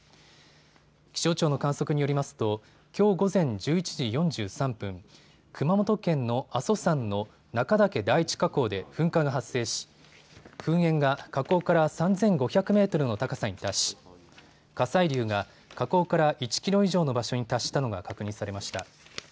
気象庁の観測によりますときょう午前１１時４３分、熊本県の阿蘇山の中岳第一火口で噴火が発生し噴煙が火口から３５００メートルの高さに達し火砕流が火口から１キロ以上の場所に達したのが確認されました。